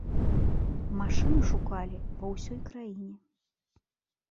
Машыну шукалі па ўсёй краіне.